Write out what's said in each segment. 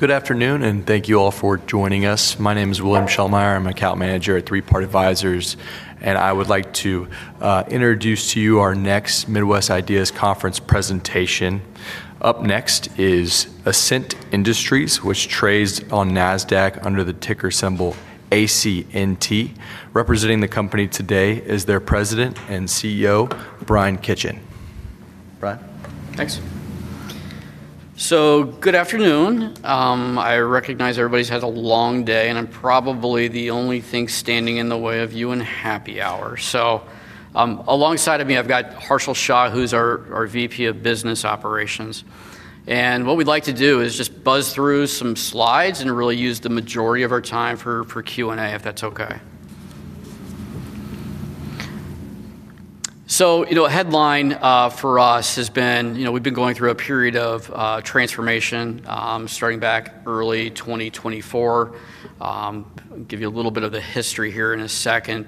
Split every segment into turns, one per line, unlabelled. Good afternoon, and thank you all for joining us. My name is William Shelmire. I'm an account manager at ThreePart Advisors, and I would like to introduce to you our next Midwest Ideas Conference presentation. Up next is Ascent Industries which trades on Nasdaq under the ticker symbol ACNT. Representing the company today is their President and CEO, Bryan Kitchen. Bryan?
Thanks. Good afternoon. I recognize everybody's had a long day, and I'm probably the only thing standing in the way of you and happy hour. Alongside of me, I've got Harshil Shah, who's our Vice President of Business Operations. What we'd like to do is just buzz through some slides and really use the majority of our time for Q&A, if that's okay. A headline for us has been we've been going through a period of transformation starting back in early 2024. I'll give you a little bit of the history here in a second.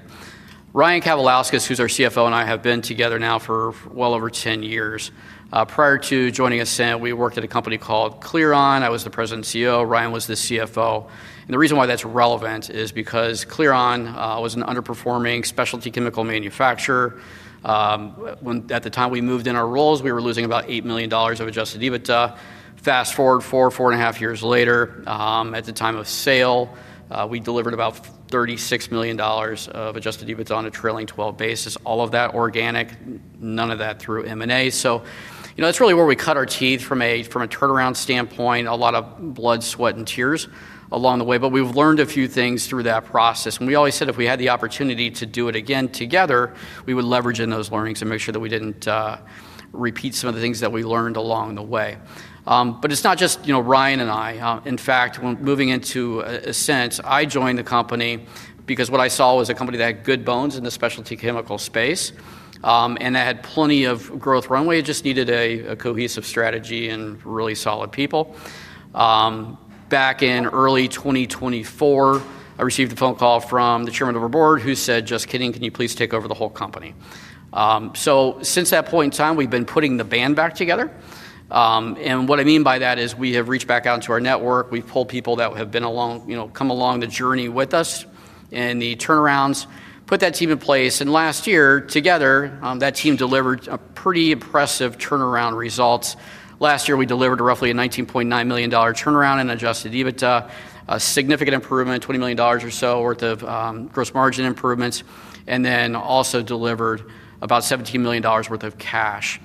Ryan Kavalauskas, who's our Chief Financial Officer, and I have been together now for well over 10 years. Prior to joining Ascent, we worked at a company called Clearon. I was the President and CEO. Ryan was the CFO. The reason why that's relevant is because Clearon was an underperforming specialty chemical manufacturer. At the time we moved in our roles, we were losing about $8 million of adjusted EBITDA. Fast forward four, four and a half years later, at the time of sale, we delivered about $36 million of adjusted EBITDA on a trailing 12 basis. All of that organic, none of that through M&A. That's really where we cut our teeth from a turnaround standpoint. A lot of blood, sweat, and tears along the way, but we've learned a few things through that process. We always said if we had the opportunity to do it again together, we would leverage in those learnings and make sure that we didn't repeat some of the things that we learned along the way. It's not just Ryan and I. In fact, when moving into Ascent, I joined the company because what I saw was a company that had good bones in the specialty chemical space and that had plenty of growth runway. It just needed a cohesive strategy and really solid people. Back in early 2024, I received a phone call from the chairman of our board who said, "Just kidding, can you please take over the whole company?" Since that point in time, we've been putting the band back together. What I mean by that is we have reached back out to our network. We've pulled people that have come along the journey with us in the turnarounds, put that team in place. Last year, together, that team delivered pretty impressive turnaround results. Last year, we delivered roughly a $19.9 million turnaround in adjusted EBITDA, a significant improvement, $20 million or so worth of gross margin improvements, and also delivered about $17 million worth of cash,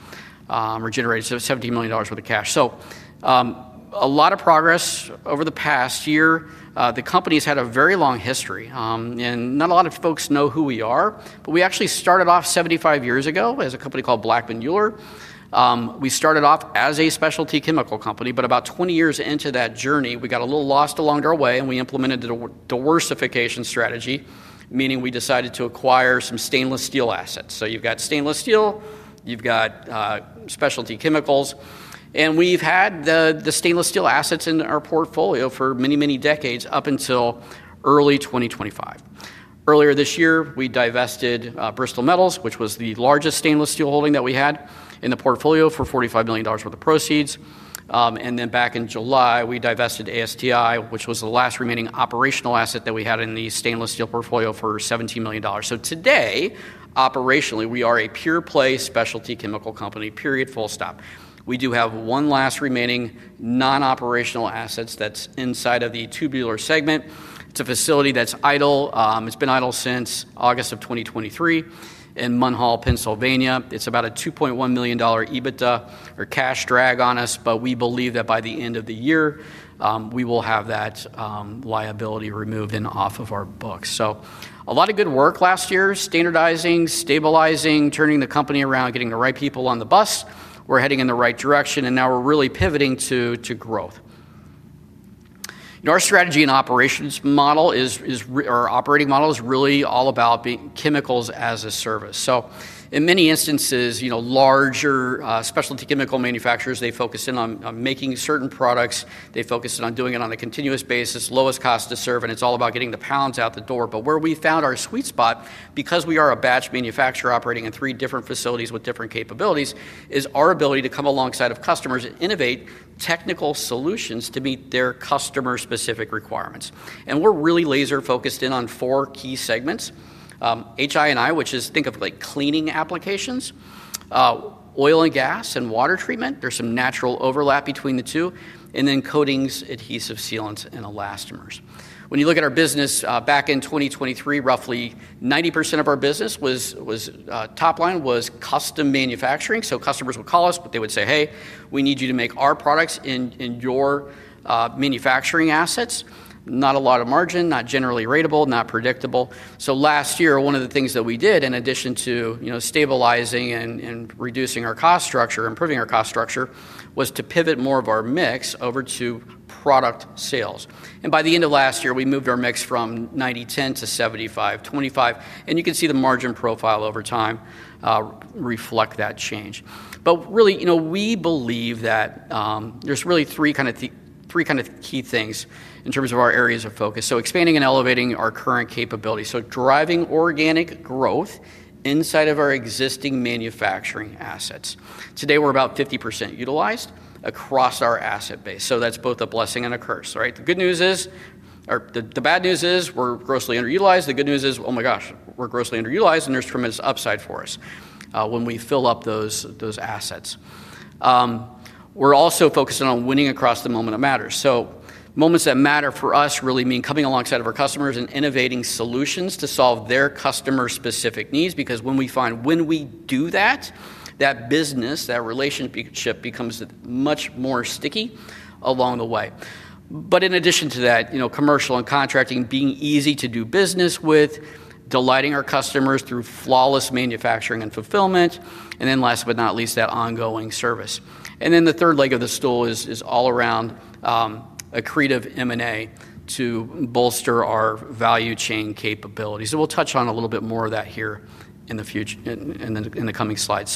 or generated $17 million worth of cash. A lot of progress over the past year. The company's had a very long history, and not a lot of folks know who we are. We actually started off 75 years ago as a company called Blackman Euler. We started off as a specialty chemical company, but about 20 years into that journey, we got a little lost along our way, and we implemented a diversification strategy, meaning we decided to acquire some stainless steel assets. You've got stainless steel, you've got specialty chemicals, and we've had the stainless steel assets in our portfolio for many, many decades up until early 2025. Earlier this year, we divested Bristol Metals, which was the largest stainless steel holding that we had in the portfolio for $45 million worth of proceeds. Back in July, we divested ASTI, which was the last remaining operational asset that we had in the stainless steel portfolio for $17 million. Today, operationally, we are a pure play specialty chemical company, period, full stop. We do have one last remaining non-operational asset that's inside of the tubular segment. It's a facility that's idle. It's been idle since August of 2023 in Munhall, Pennsylvania. It's about a $2.1 million EBITDA or cash drag on us, but we believe that by the end of the year, we will have that liability removed and off of our books. A lot of good work last year, standardizing, stabilizing, turning the company around, getting the right people on the bus. We're heading in the right direction, and now we're really pivoting to growth. Our strategy and operations model is, our operating model is really all about being chemicals as a service. In many instances, you know, larger specialty chemical manufacturers, they focus in on making certain products. They focus in on doing it on a continuous basis, lowest cost to serve, and it's all about getting the pounds out the door. Where we found our sweet spot, because we are a batch manufacturer operating in three different facilities with different capabilities, is our ability to come alongside of customers and innovate technical solutions to meet their customer-specific requirements. We're really laser-focused in on four key segments: HI&I, which is, think of like cleaning applications, oil and gas, and water treatment. There's some natural overlap between the two, and then coatings, adhesives, sealants, and elastomers. When you look at our business, back in 2023, roughly 90% of our business was top line was custom manufacturing. Customers would call us, but they would say, "Hey, we need you to make our products in your manufacturing assets." Not a lot of margin, not generally ratable, not predictable. Last year, one of the things that we did, in addition to stabilizing and reducing our cost structure, improving our cost structure, was to pivot more of our mix over to product sales. By the end of last year, we moved our mix from 90/10 to 75/25. You can see the margin profile over time reflect that change. We believe that there's really three kind of key things in terms of our areas of focus. Expanding and elevating our current capability, driving organic growth inside of our existing manufacturing assets. Today, we're about 50% utilized across our asset base. That's both a blessing and a curse, right? The bad news is, we're grossly underutilized. The good news is, oh my gosh, we're grossly underutilized, and there's tremendous upside for us when we fill up those assets. We're also focusing on winning across the moment of matter. Moments that matter for us really mean coming alongside of our customers and innovating solutions to solve their customer-specific needs, because we find when we do that, that business, that relationship becomes much more sticky along the way. In addition to that, commercial and contracting being easy to do business with, delighting our customers through flawless manufacturing and fulfillment, and then last but not least, that ongoing service. The third leg of the stool is all around a creative M&A to bolster our value chain capabilities. We'll touch on a little bit more of that here in the future, in the coming slides.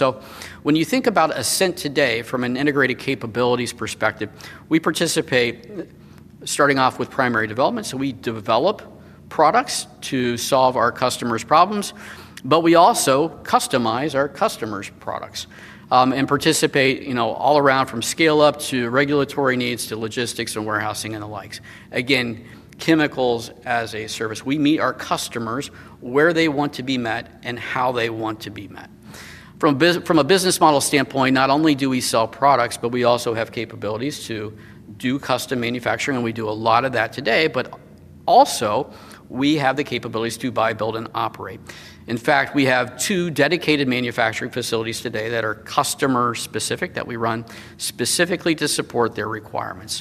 When you think about Ascent today from an integrated capabilities perspective, we participate starting off with primary development. We develop products to solve our customers' problems, but we also customize our customers' products and participate all around from scale-up to regulatory needs to logistics and warehousing and the likes. Again, chemicals-as-a-service, we meet our customers where they want to be met and how they want to be met. From a business model standpoint, not only do we sell products, but we also have capabilities to do custom manufacturing, and we do a lot of that today, but also we have the capabilities to buy, build, and operate. In fact, we have two dedicated manufacturing facilities today that are customer-specific that we run specifically to support their requirements.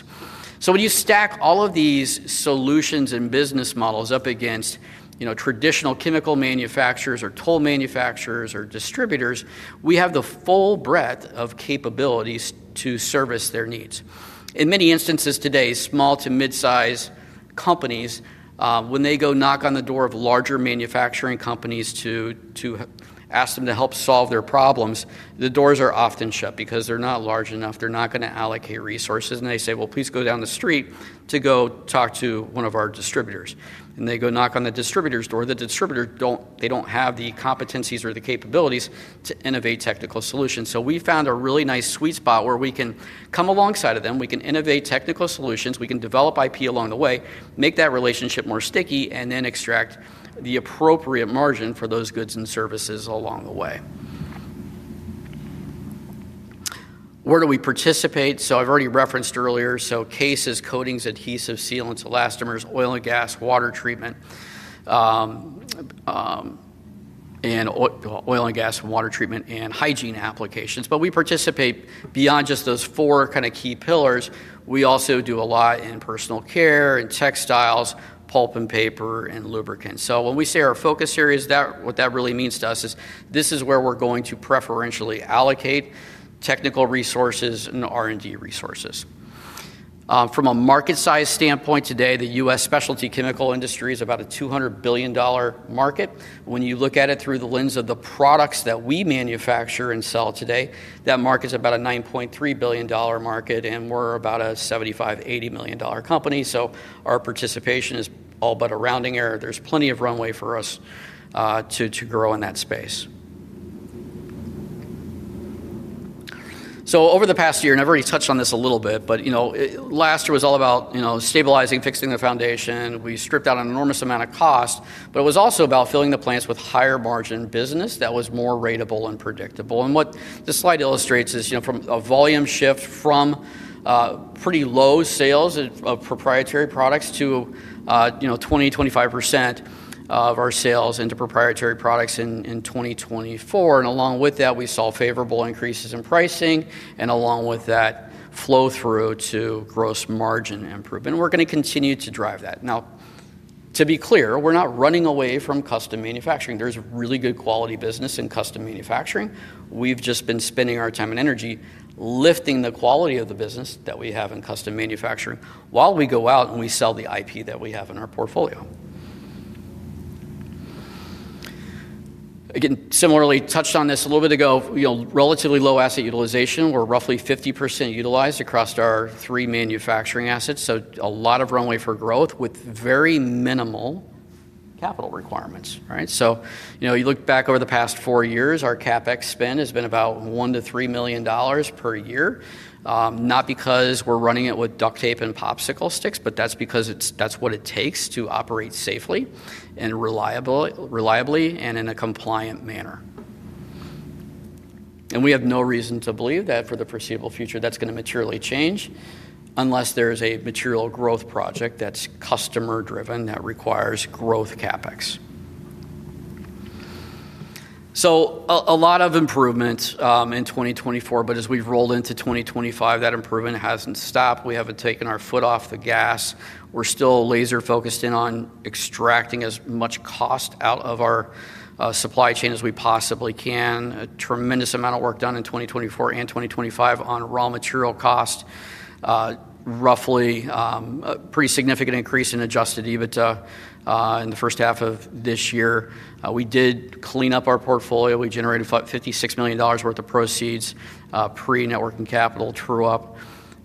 When you stack all of these solutions and business models up against, you know, traditional chemical manufacturers or toll manufacturers or distributors, we have the full breadth of capabilities to service their needs. In many instances today, small to mid-size companies, when they go knock on the door of larger manufacturing companies to ask them to help solve their problems, the doors are often shut because they're not large enough. They're not going to allocate resources, and they say, "Please go down the street to go talk to one of our distributors." They go knock on the distributor's door. The distributors, they don't have the competencies or the capabilities to innovate technical solutions. We found a really nice sweet spot where we can come alongside of them. We can innovate technical solutions. We can develop IP along the way, make that relationship more sticky, and then extract the appropriate margin for those goods and services along the way. Where do we participate? I've already referenced earlier. CASE, coatings, adhesives, sealants, elastomers, oil and gas, water treatment, and oil and gas and water treatment, and hygiene applications. We participate beyond just those four kind of key pillars. We also do a lot in personal care and textiles, pulp and paper, and lubricants. When we say our focus areas, what that really means to us is this is where we're going to preferentially allocate technical resources and R&D resources. From a market size standpoint today, the U.S. specialty chemical industry is about a $200 billion market. When you look at it through the lens of the products that we manufacture and sell today, that market is about a $9.3 billion market, and we're about a $75 million-$80 million company. Our participation is all but a rounding error. There's plenty of runway for us to grow in that space. Over the past year, and I've already touched on this a little bit, last year was all about stabilizing, fixing the foundation. We stripped out an enormous amount of cost, but it was also about filling the plants with higher margin business that was more ratable and predictable. What the slide illustrates is a volume shift from pretty low sales of proprietary products to 20%-25% of our sales into proprietary products in 2024. Along with that, we saw favorable increases in pricing, and along with that, flow through to gross margin improvement. We're going to continue to drive that. To be clear, we're not running away from custom manufacturing. There's really good quality business in custom manufacturing. We've just been spending our time and energy lifting the quality of the business that we have in custom manufacturing while we go out and we sell the IP that we have in our portfolio. Similarly touched on this a little bit ago, relatively low asset utilization. We're roughly 50% utilized across our three manufacturing assets. A lot of runway for growth with very minimal capital requirements, right? You look back over the past four years, our CapEx spend has been about $1 million-$3 million per year, not because we're running it with duct tape and popsicle sticks, but that's because that's what it takes to operate safely and reliably and in a compliant manner. We have no reason to believe that for the foreseeable future, that's going to materially change unless there's a material growth project that's customer-driven that requires growth CapEx. A lot of improvements in 2024, but as we've rolled into 2025, that improvement hasn't stopped. We haven't taken our foot off the gas. We're still laser-focused in on extracting as much cost out of our supply chain as we possibly can. A tremendous amount of work done in 2024 and 2025 on raw material cost, roughly a pretty significant increase in adjusted EBITDA in the first half of this year. We did clean up our portfolio. We generated $56 million worth of proceeds. Pre-networking capital drew up.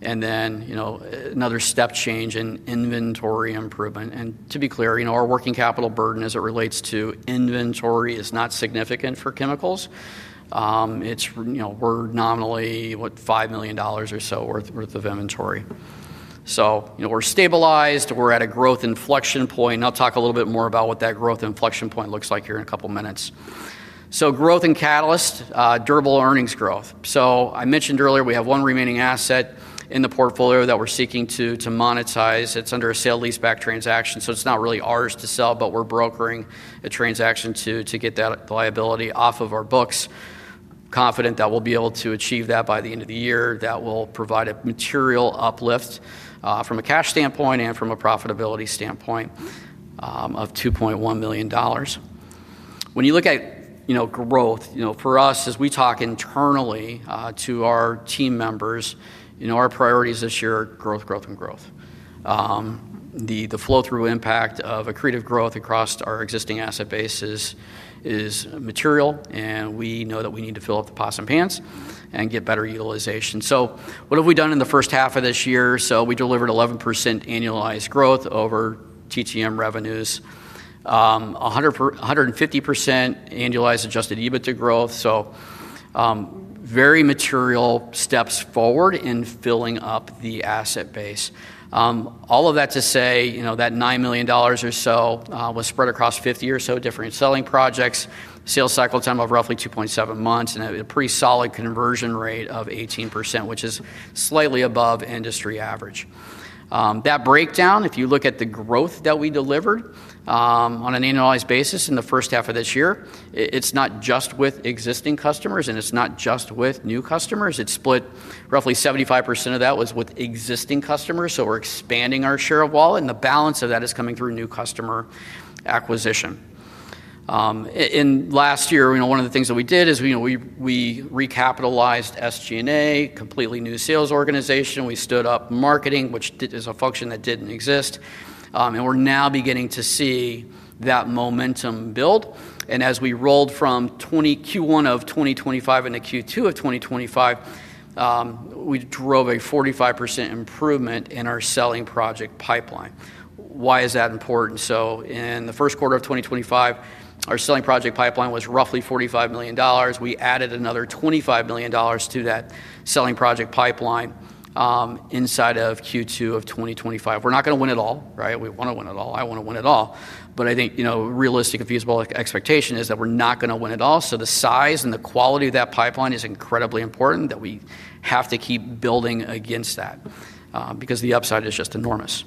Another step change in inventory improvement. To be clear, our working capital burden as it relates to inventory is not significant for chemicals. We're nominally, what, $5 million or so worth of inventory. We're stabilized. We're at a growth inflection point. I'll talk a little bit more about what that growth inflection point looks like here in a couple minutes. Growth in catalyst, durable earnings growth. I mentioned earlier, we have one remaining asset in the portfolio that we're seeking to monetize. It's under a sale-lease-back transaction. It's not really ours to sell, but we're brokering a transaction to get that liability off of our books, confident that we'll be able to achieve that by the end of the year. That will provide a material uplift from a cash standpoint and from a profitability standpoint of $2.1 million. When you look at growth, for us, as we talk internally to our team members, our priorities this year are growth, growth, and growth. The flow-through impact of accretive growth across our existing asset bases is material, and we know that we need to fill up the pots and pans and get better utilization. What have we done in the first half of this year? We delivered 11% annualized growth over TTM revenues, 150% annualized adjusted EBITDA growth. Very material steps forward in filling up the asset base. All of that to say, that $9 million or so was spread across 50 or so different selling projects, sales cycle time of roughly 2.7 months, and a pretty solid conversion rate of 18%, which is slightly above industry average. That breakdown, if you look at the growth that we delivered on an annualized basis in the first half of this year, it's not just with existing customers, and it's not just with new customers. It split roughly 75% of that was with existing customers. We're expanding our share of wall, and the balance of that is coming through new customer acquisition. In last year, one of the things that we did is, we recapitalized SG&A, completely new sales organization. We stood up marketing, which is a function that didn't exist. We're now beginning to see that momentum build. As we rolled from Q1 of 2025 into Q2 of 2025, we drove a 45% improvement in our selling project pipeline. Why is that important? In the first quarter of 2025, our selling project pipeline was roughly $45 million. We added another $25 million to that selling project pipeline inside of Q2 of 2025. We're not going to win it all, right? We want to win it all. I want to win it all. I think a realistic and feasible expectation is that we're not going to win it all. The size and the quality of that pipeline is incredibly important. We have to keep building against that because the upside is just enormous.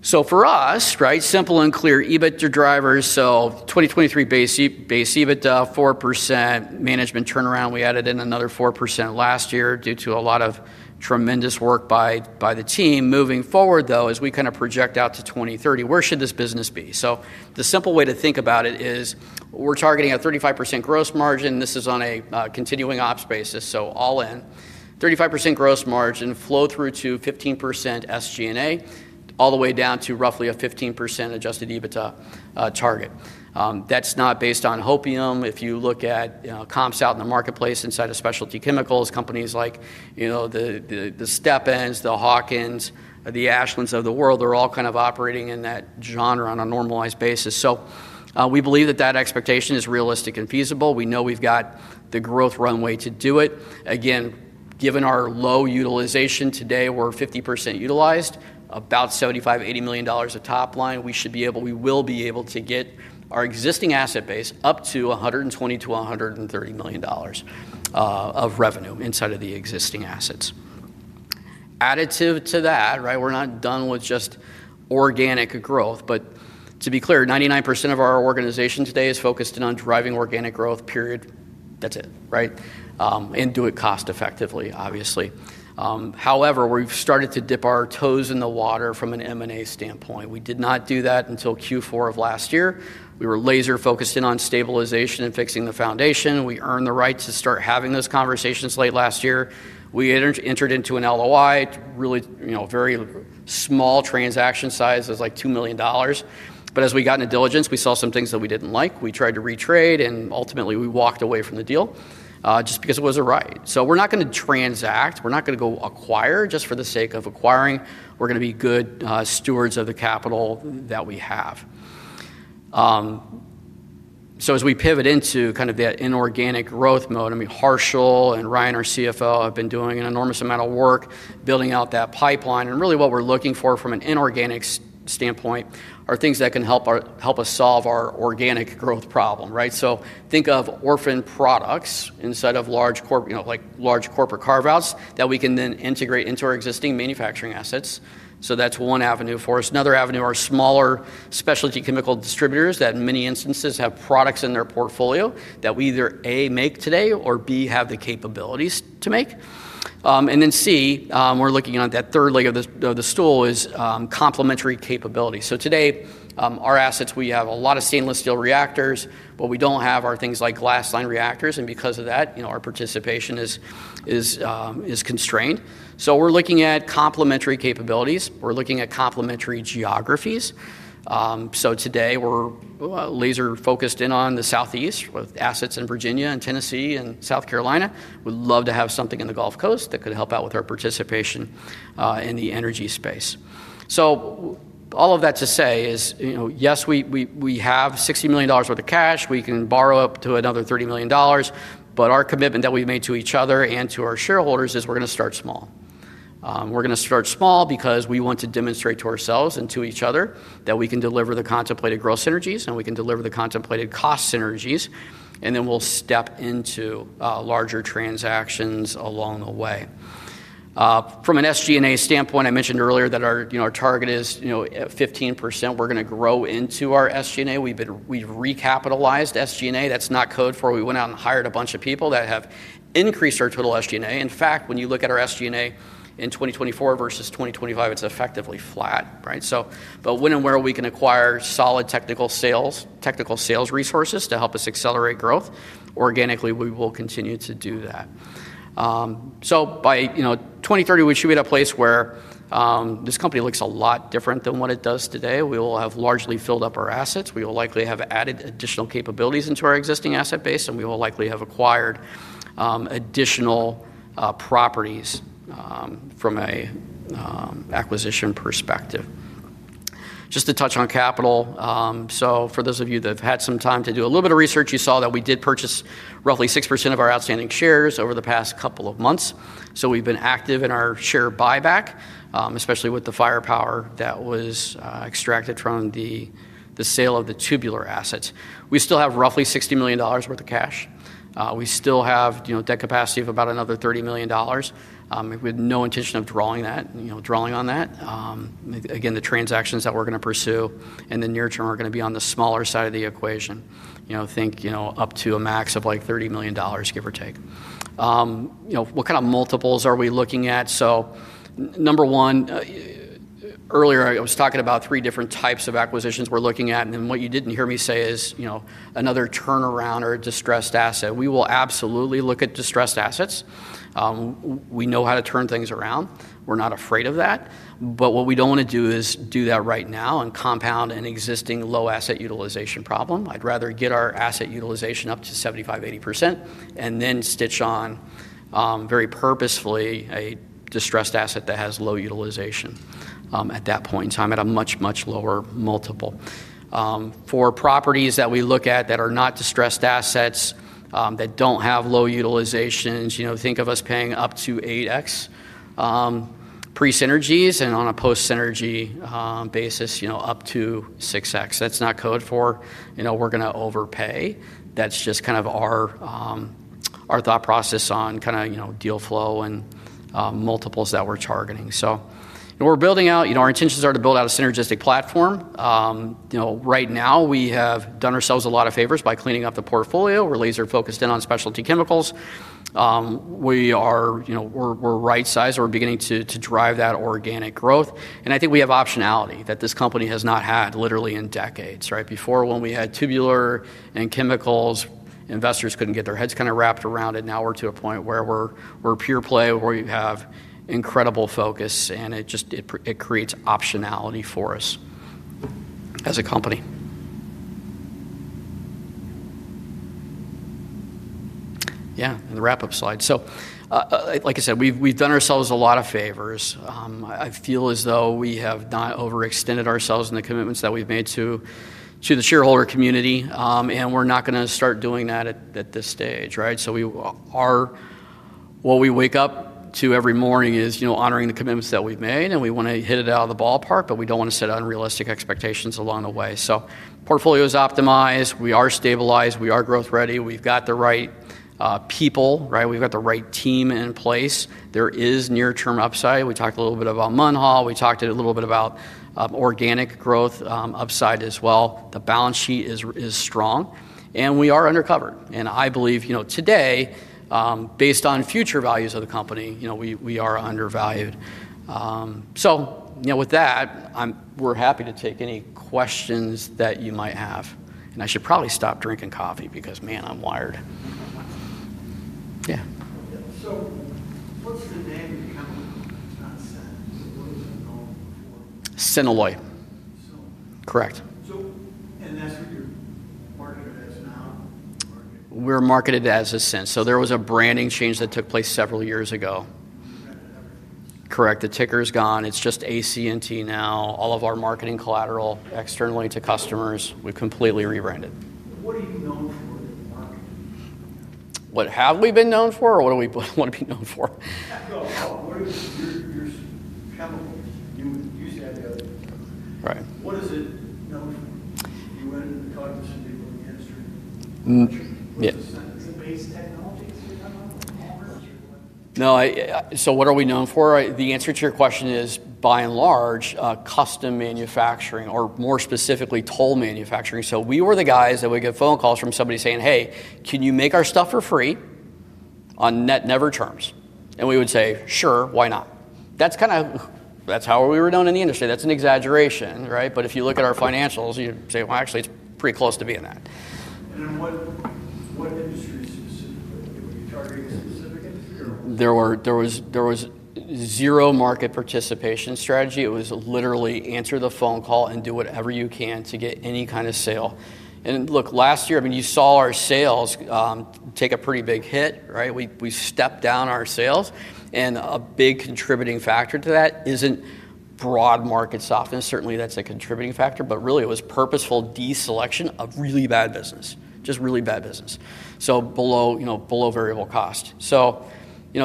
For us, right, simple and clear, EBITDA drivers. 2023 base EBITDA, 4% management turnaround. We added in another 4% last year due to a lot of tremendous work by the team. Moving forward, as we kind of project out to 2030, where should this business be? The simple way to think about it is we're targeting a 35% gross margin. This is on a continuing ops basis. All in, 35% gross margin, flow through to 15% SG&A, all the way down to roughly a 15% adjusted EBITDA target. That's not based on Hopium. If you look at comps out in the marketplace inside of specialty chemicals, companies like the Steppens, the Hawkins, the Ashlands of the world are all kind of operating in that genre on a normalized basis. We believe that that expectation is realistic and feasible. We know we've got the growth runway to do it. Again, given our low utilization today, we're 50% utilized, about $75 million-$80 million at top line. We should be able, we will be able to get our existing asset base up to $120 million-$130 million of revenue inside of the existing assets. Additive to that, we're not done with just organic growth. To be clear, 99% of our organization today is focused on driving organic growth, period. That's it, right? Do it cost-effectively, obviously. However, we've started to dip our toes in the water from an M&A standpoint. We did not do that until Q4 of last year. We were laser-focused in on stabilization and fixing the foundation. We earned the right to start having those conversations late last year. We entered into an LOI, really, very small transaction sizes like $2 million. As we got into diligence, we saw some things that we didn't like. We tried to retrade and ultimately we walked away from the deal just because it was a ride. We're not going to transact. We're not going to go acquire just for the sake of acquiring. We're going to be good stewards of the capital that we have. As we pivot into that inorganic growth mode, I mean, Harshil and Ryan, our CFO, have been doing an enormous amount of work building out that pipeline. Really what we're looking for from an inorganic standpoint are things that can help us solve our organic growth problem, right? Think of orphan products inside of large, you know, like large corporate carve-outs that we can then integrate into our existing manufacturing assets. That's one avenue for us. Another avenue are smaller specialty chemical distributors that in many instances have products in their portfolio that we either A, make today or B, have the capabilities to make. C, we're looking at that third leg of the stool as complementary capabilities. Today our assets, we have a lot of stainless steel reactors. What we don't have are things like glass line reactors. Because of that, our participation is constrained. We're looking at complementary capabilities. We're looking at complementary geographies. Today we're laser-focused in on the Southeast with assets in Virginia and Tennessee and South Carolina. We'd love to have something in the Gulf Coast that could help out with our participation in the energy space. All of that to say is, yes, we have $60 million worth of cash. We can borrow up to another $30 million. Our commitment that we've made to each other and to our shareholders is we're going to start small. We're going to start small because we want to demonstrate to ourselves and to each other that we can deliver the contemplated growth synergies and we can deliver the contemplated cost synergies. Then we'll step into larger transactions along the way. From an SG&A standpoint, I mentioned earlier that our target is 15%. We're going to grow into our SG&A. We've recapitalized SG&A. That's not code for it. We went out and hired a bunch of people that have increased our total SG&A. In fact, when you look at our SG&A in 2024 versus 2025, it's effectively flat, right? When and where we can acquire solid technical sales, technical sales resources to help us accelerate growth organically, we will continue to do that. By 2030, we should be at a place where this company looks a lot different than what it does today. We will have largely filled up our assets. We will likely have added additional capabilities into our existing asset base, and we will likely have acquired additional properties from an acquisition perspective. Just to touch on capital. For those of you that have had some time to do a little bit of research, you saw that we did purchase roughly 6% of our outstanding shares over the past couple of months. We've been active in our share buyback, especially with the firepower that was extracted from the sale of the tubular assets. We still have roughly $60 million worth of cash. We still have debt capacity of about another $30 million. We have no intention of drawing on that. The transactions that we're going to pursue in the near term are going to be on the smaller side of the equation. Think up to a max of like $30 million, give or take. What kind of multiples are we looking at? Number one, earlier I was talking about three different types of acquisitions we're looking at. What you didn't hear me say is another turnaround or a distressed asset. We will absolutely look at distressed assets. We know how to turn things around. We're not afraid of that. What we don't want to do is do that right now and compound an existing low asset utilization problem. I'd rather get our asset utilization up to 75%-80% and then stitch on very purposefully a distressed asset that has low utilization at that point in time at a much, much lower multiple. For properties that we look at that are not distressed assets, that don't have low utilizations, think of us paying up to 8x pre-synergies and on a post-synergy basis, up to 6x. That's not code for we're going to overpay. That's just kind of our thought process on deal flow and multiples that we're targeting. We're building out, our intentions are to build out a synergistic platform. Right now we have done ourselves a lot of favors by cleaning up the portfolio. We're laser-focused in on specialty chemicals. We are right-sized. We're beginning to drive that organic growth. I think we have optionality that this company has not had literally in decades, right? Before when we had tubular and chemicals, investors couldn't get their heads kind of wrapped around it. Now we're to a point where we're pure play where you have incredible focus and it just creates optionality for us as a company. Yeah, and the wrap-up slide. Like I said, we've done ourselves a lot of favors. I feel as though we have not overextended ourselves in the commitments that we've made to the shareholder community. We're not going to start doing that at this stage, right? What we wake up to every morning is honoring the commitments that we've made. We want to hit it out of the ballpark, but we don't want to set unrealistic expectations along the way. The portfolio is optimized. We are stabilized. We are growth-ready. We've got the right people, right? We've got the right team in place. There is near-term upside. We talked a little bit about Munn Hall. We talked a little bit about organic growth upside as well. The balance sheet is strong. We are undercovered. I believe today, based on future values of the company, we are undervalued. With that, we're happy to take any questions that you might have. I should probably stop drinking coffee because, man, I'm wired. Yeah.
What's the name become of Ascent? What is it called?
Synalloy. Correct. We're marketed as Ascent. There was a branding change that took place several years ago. Correct. The ticker is gone. It's just AC&T now. All of our marketing collateral externally to customers, we've completely rebranded. What have we been known for or what do we want to be known for?
What is your capital? You said what is it known for? You were in the conference room yesterday.
Yes. No, so what are we known for? The answer to your question is, by and large, custom manufacturing or more specifically toll manufacturing. We were the guys that would get phone calls from somebody saying, "Hey, can you make our stuff for free on net never terms?" and we would say, "Sure, why not?" That's kind of, that's how we were known in the industry. That's an exaggeration, right? If you look at our financials, you'd say, "Actually, it's pretty close to being that." There was zero market participation strategy. It was literally answer the phone call and do whatever you can to get any kind of sale. Last year, you saw our sales take a pretty big hit, right? We stepped down our sales. A big contributing factor to that isn't broad market softness. Certainly, that's a contributing factor. Really, it was purposeful deselection of really bad business, just really bad business. Below, you know, below variable cost.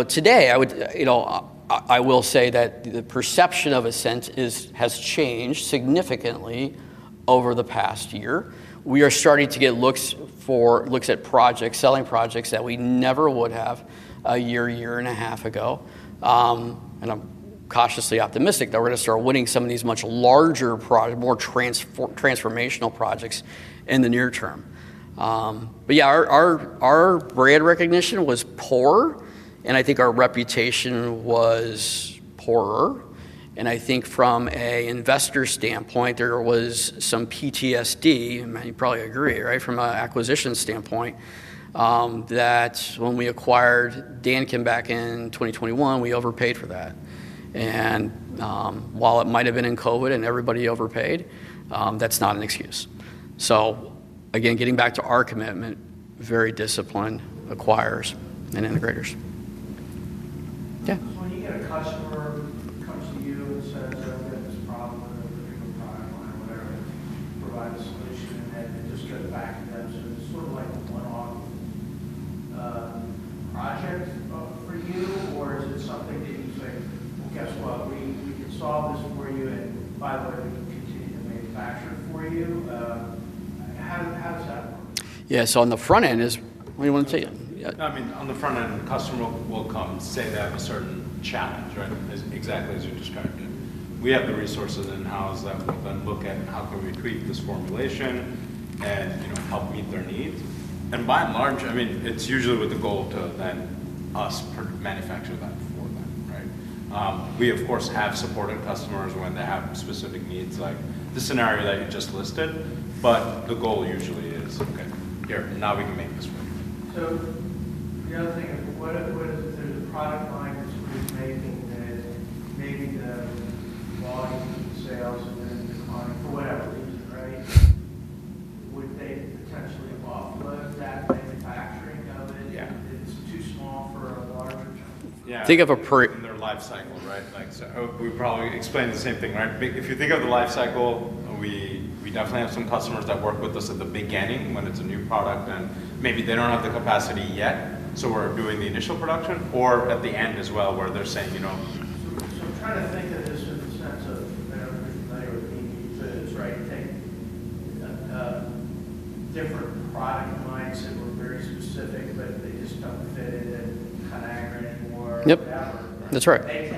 Today, I will say that the perception of Ascent has changed significantly over the past year. We are starting to get looks at projects, selling projects that we never would have a year, year and a half ago. I'm cautiously optimistic that we're going to start winning some of these much larger projects, more transformational projects in the near term. Yeah, our brand recognition was poor. I think our reputation was poorer. I think from an investor standpoint, there was some PTSD, and you probably agree, right, from an acquisition standpoint, that when we acquired Daikin back in 2021, we overpaid for that. While it might have been in COVID and everybody overpaid, that's not an excuse. Again, getting back to our commitment, very disciplined, acquires, and integrators. Yeah.
When you get a customer comes to you and says, "Oh goodness, Bob, we're going to do it, whatever, and provide a solution," and just get it back to them, so there's sort of like a one-on-one project for you, or is it something that you say, "Guess what, we can install this for you and buy the continuing manufacturer for you"?
Yeah, on the front end, what do you want to say?
I mean, on the front end, customers will come and say they have a certain challenge, right? Exactly as you described it. We have the resources, and we are going to look at how we can create this formulation and, you know, help meet their needs. By and large, it's usually with the goal to then have us manufacture that for them, right? We, of course, have supported customers when they have specific needs like the scenario that you just listed. The goal usually is, "Okay, here, and now we can make this for you.
What is the product line that's making then maybe the large sales and business line for whatever reason, right? Would they potentially buff those, that manufacturing of it? Yeah, it's too small for a larger company.
Yeah, think of a peer in their life cycle, right? Like, we probably explain the same thing, right? If you think of the life cycle, we definitely have some customers that work with us at the beginning when it's a new product and maybe they don't have the capacity yet, so we're doing the initial production or at the end as well where they're saying, you know.
I'm trying to think of this in the sense of, I don't mean you say this, right? I think that the different bottom line's very specific, but they just don't.
Yep, that's right.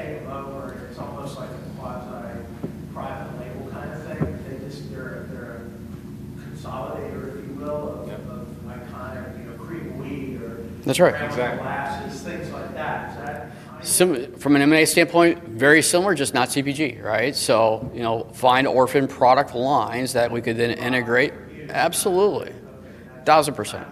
There's a lot of private label kind of things. They're just a consolidator, you know, of like hot, you know, cream, wheat or.
That's right,
Exactly.
Glasses, things like that.
From an M&A standpoint, very similar, just not CBG, right? So, you know, find orphan product lines that we could then integrate. Absolutely. Thousand percent.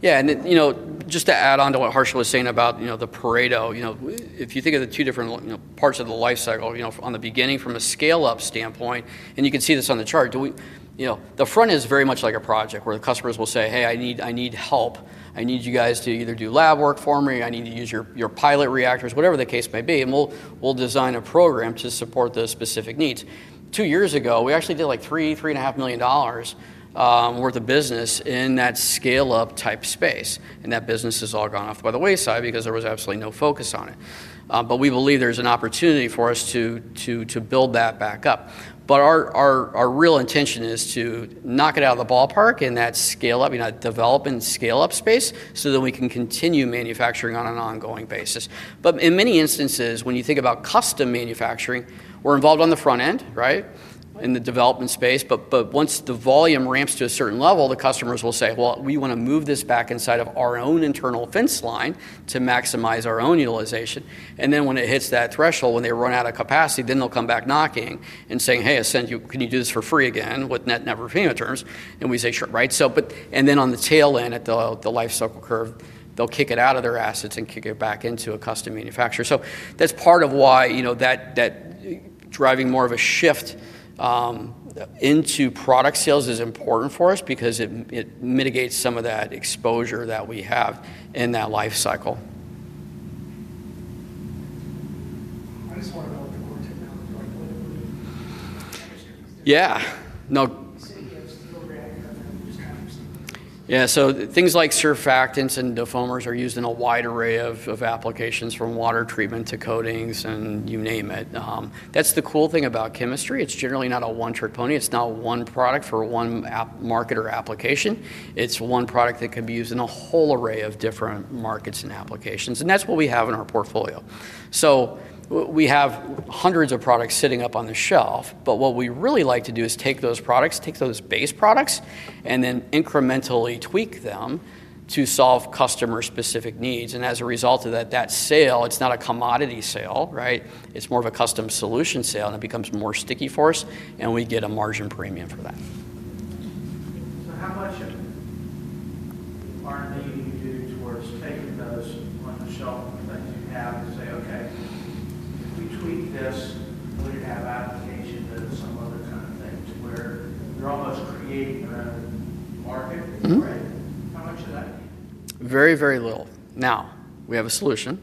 Yeah, and then, you know, just to add on to what Harshil was saying about, you know, the Pareto, you know, if you think of the two different, you know, parts of the life cycle, you know, on the beginning from a scale-up standpoint, and you can see this on the chart, do we, you know, the front is very much like a project where the customers will say, "Hey, I need, I need help. I need you guys to either do lab work for me. I need to use your pilot reactors," whatever the case may be, and we'll design a program to support those specific needs. Two years ago, we actually did like $3 million, $3.5 million worth of business in that scale-up type space, and that business has all gone off by the wayside because there was absolutely no focus on it. We believe there's an opportunity for us to build that back up. Our real intention is to knock it out of the ballpark in that scale-up, that development scale-up space so that we can continue manufacturing on an ongoing basis. In many instances, when you think about custom manufacturing, we're involved on the front end, right, in the development space. Once the volume ramps to a certain level, the customers will say, "We want to move this back inside of our own internal fence line to maximize our own utilization." When it hits that threshold, when they run out of capacity, they'll come back knocking and saying, "Hey, Ascent, can you do this for free again with net never payment terms?" and we say, "Sure," right? On the tail end at the life cycle curve, they'll kick it out of their assets and kick it back into a custom manufacturer. That's part of why driving more of a shift into product sales is important for us because it mitigates some of that exposure that we have in that life cycle.
I'm just talking about the quartet now.
Yeah, no. Things like surfactants and defoamers are used in a wide array of applications from water treatment to coatings and you name it. That's the cool thing about chemistry. It's generally not a one trick pony. It's not one product for one market or application. It's one product that could be used in a whole array of different markets and applications. That's what we have in our portfolio. We have hundreds of products sitting up on the shelf, but what we really like to do is take those products, take those base products, and then incrementally tweak them to solve customer-specific needs. As a result of that, that sale, it's not a commodity sale, right? It's more of a custom solution sale, and it becomes more sticky for us, and we get a margin premium for that.
How about shipping? Are they getting duty towards if they could do this on the shelf, let them have and say, "Okay, if we tweak this, we'll have out of the agent that is some other kind of thing to where you're almost creating around the.
Very, very little. Now, we have a solution.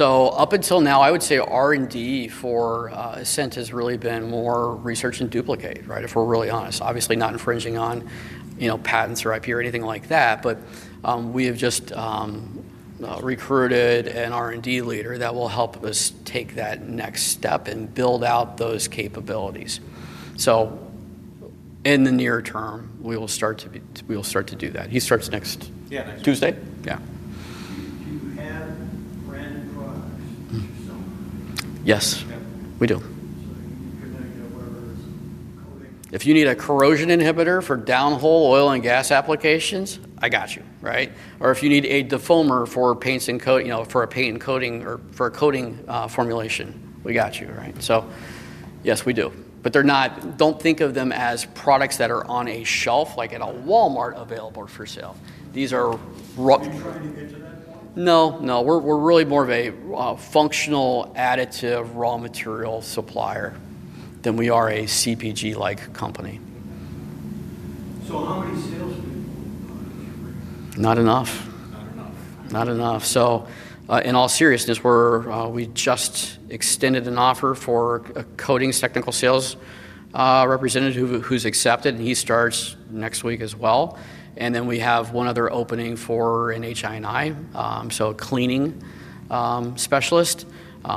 Up until now, I would say R&D for Ascent has really been more research and duplicate, right? If we're really honest, obviously not infringing on, you know, patents or IP or anything like that. We have just recruited an R&D leader that will help us take that next step and build out those capabilities. In the near term, we will start to do that. He starts next.
Yeah,
Next Tuesday.
Yeah.
And.
Yes, we do. If you need a corrosion inhibitor for downhole oil and gas applications, I got you, right? If you need a defoamer for paints and coat, you know, for a paint and coating or for a coating formulation, we got you, right? Yes, we do. They're not, don't think of them as products that are on a shelf like at a Walmart available for sale. These are rough. No, we're really more of a functional additive raw material supplier than we are a CPG-like company.
How many sales?
Not enough.
Not enough.
In all seriousness, we just extended an offer for a coatings technical sales representative who's accepted, and he starts next week as well. We have one other opening for an HI&I, so a cleaning specialist.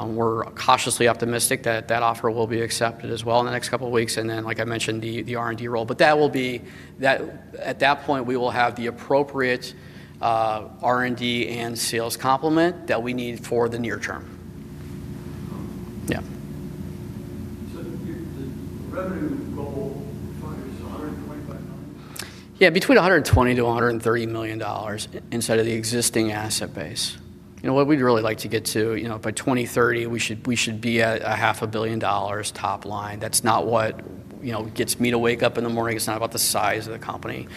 We're cautiously optimistic that that offer will be accepted as well in the next couple of weeks. Like I mentioned, the R&D role, but at that point, we will have the appropriate R&D and sales complement that we need for the near term. Yeah.
The revenue.
Yeah, between $120 million-$130 million inside of the existing asset base. You know what we'd really like to get to, you know, by 2030, we should be at a half a billion dollars top line. That's not what, you know, gets me to wake up in the morning. It's not about the size of the company.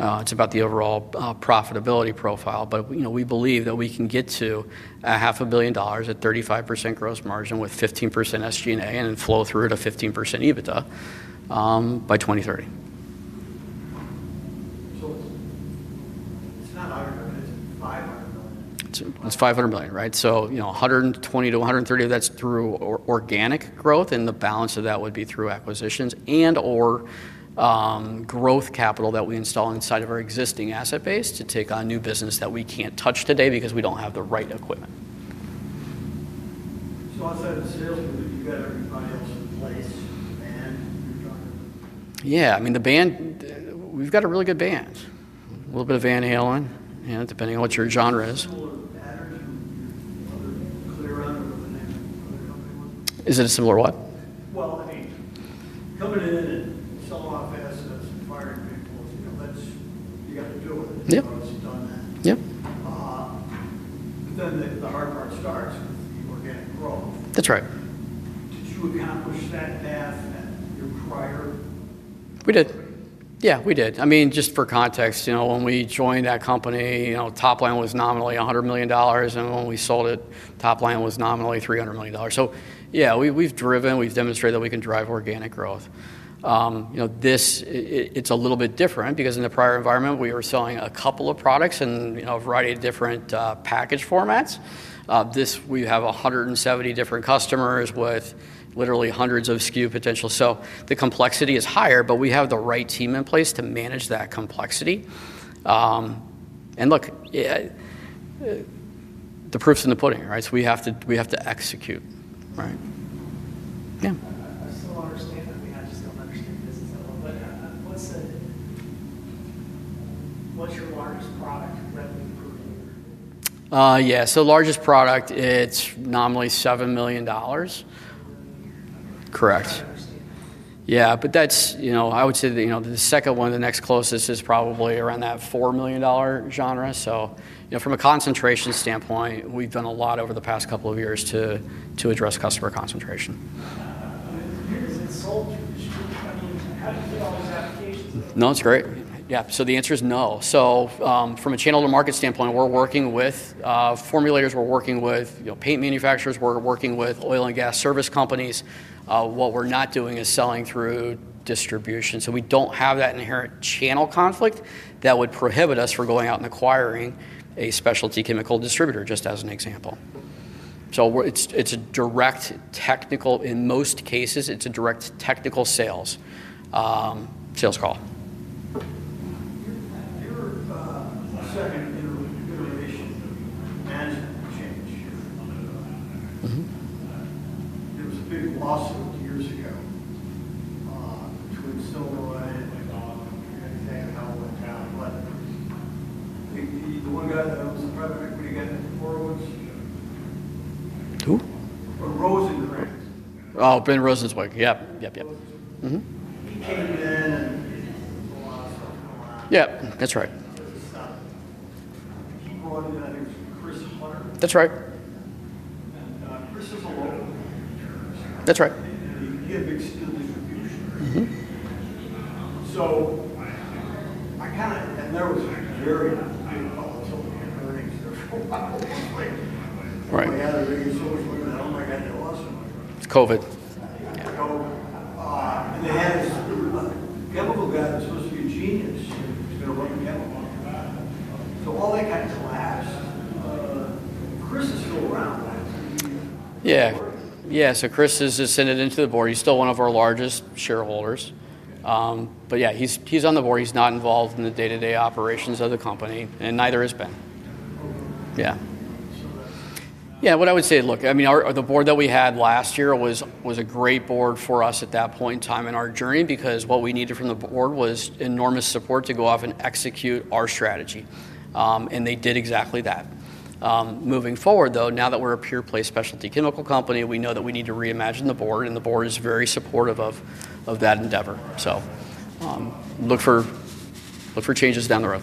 It's about the overall profitability profile. We believe that we can get to a half a billion dollars at 35% gross margin with 15% SG&A and then flow through to 15% EBITDA by 2030.
It's not.
It's $500 million, right? $120 million-$130 million of that's through organic growth, and the balance of that would be through acquisitions and/or growth capital that we install inside of our existing asset base to take on new business that we can't touch today because we don't have the right equipment.
Outside of sales, you got to buy up some.
Yeah, I mean, the band, we've got a really good band. A little bit of Van Halen, depending on what your genre is. Is it a similar one?
I mean, coming in and selling off assets and firing people, you know, that's you got to do it.
Yeah.
The hard part starts with the organic world.
That's right.
Did you accomplish that?
We did. Yeah, we did. I mean, just for context, when we joined that company, top line was nominally $100 million, and when we sold it, top line was nominally $300 million. We've demonstrated that we can drive organic growth. This is a little bit different because in the prior environment, we were selling a couple of products in a variety of different package formats. This, we have 170 different customers with literally hundreds of SKU potential. The complexity is higher, but we have the right team in place to manage that complexity. The proof's in the pudding, right? We have to execute, right? Yeah.
That's the longest statement we have. I'm still not understanding this. What's your largest product revenue per year?
Yeah, so the largest product, it's nominally $7 million.
Correct.
Yeah, that's, you know, I would say that the second one, the next closest is probably around that $4 million genre. From a concentration standpoint, we've done a lot over the past couple of years to address customer concentration.
Is it sold?
No, that's great. Yeah, the answer is no. From a channel to market standpoint, we're working with formulators, we're working with paint manufacturers, we're working with oil and gas service companies. What we're not doing is selling through distribution. We don't have that inherent channel conflict that would prohibit us from going out and acquiring a specialty chemical distributor, just as an example. It's a direct technical, in most cases, it's a direct technical sales call.
You know, generation hasn't changed yet. There was a big lawsuit years ago, which would still go away if that bill went down. Who's the one guy that owns it?
Who?
Rosenzww
Oh, Ben Rosenzweig. Oh, Ben Rosenzweig. Yep, yep, yep.
He came down and bought.
Yep, that's right.
Brought in, I think, Christopher Hutter.
That's right. That's right.
Yeah, big scale distribution.
Mm-hmm.
I got there, and there was a very big hustle at Bernie's there.
Oh, wow.
Right now, they're being sold for the dollar, and it's awesome.
It's COVID.
Yeah, the chemical guy is supposed to be a genius. He's got a wedding gown on. All that kind of class.
Yeah, yeah, so Chris is just sending it into the board. He's still one of our largest shareholders. Yeah, he's on the board. He's not involved in the day-to-day operations of the company, and neither is Ben. What I would say, look, I mean, the board that we had last year was a great board for us at that point in time in our journey because what we needed from the board was enormous support to go off and execute our strategy. They did exactly that. Moving forward, though, now that we're a pure-play specialty chemical company, we know that we need to reimagine the board, and the board is very supportive of that endeavor. Look for changes down the road.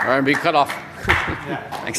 All right, I'm being cut off.
Yeah.